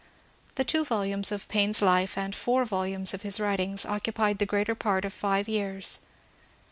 The two volumes of Paine's life and four volumes of his writings occupied the greater part of five years.